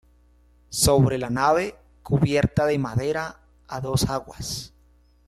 Sobre la nave, cubierta de madera a dos aguas.